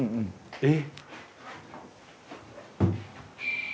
えっ？